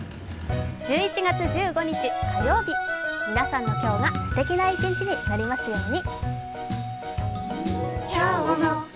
１１月１５日、火曜日、皆さんの今日がすてきな一日になりますように。